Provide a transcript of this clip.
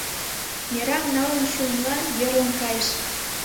Мераҥ налын шуымыла йӧрлын кайыш.